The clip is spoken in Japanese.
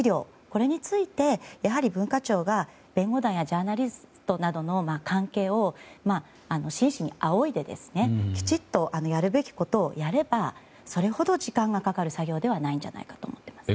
これについてやはり文化庁が弁護団やジャーナリストなどの関係を真摯に仰いできちっとやるべきことをやればそれほど時間がかかる作業ではないんじゃないかと思います。